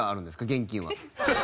現金は。